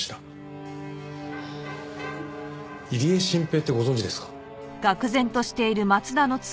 入江慎平ってご存じですか？